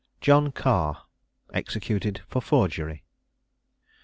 JOHN CARR. EXECUTED FOR FORGERY.